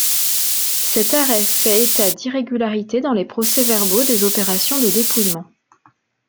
Cet arrêt fait état d'irrégularités dans les procès-verbaux des opérations de dépouillement.